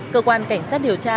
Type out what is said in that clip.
cơ quan cảnh sát điều tra